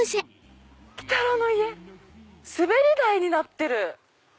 滑り台になってる。